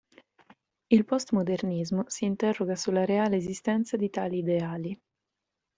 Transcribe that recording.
Il postmodernismo si interroga sulla reale esistenza di tali ideali.